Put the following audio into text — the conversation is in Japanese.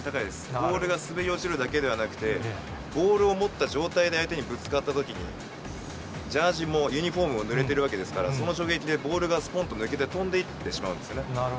ボールが滑り落ちるだけではなくて、ボールを持った状態で相手にぶつかったときに、ジャージもユニホームもぬれてるわけですから、その衝撃でボールがすぽんと抜けて飛んでいってしまうんですよね。